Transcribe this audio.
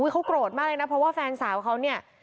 เขาโกรธมากเลยนะเพราะว่าแฟนสาวเขาเนี่ย